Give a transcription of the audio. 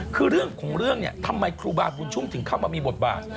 คือเรื่องของเรื่องเนี่ยทำไมครูบาบุญชุ่มถึงเข้ามามีบทบาท